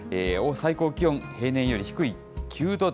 最高気温、平年より低い９度台。